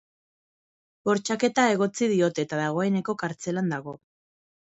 Bortxaketa egotzi diote eta dagoeneko kartzelan dago.